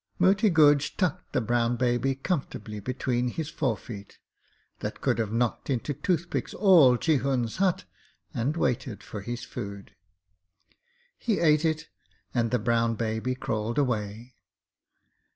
Moti Guj tucked the brown baby comfortably between his forefeet, that could have knocked into toothpicks all Chihun's hut, and waited for his food. He ate it, and the brown baby crawled away.